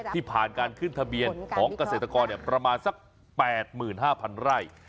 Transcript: ผ่านการขึ้นทะเบียนของเกษตรกรประมาณสัก๘๕๐๐๐ไร่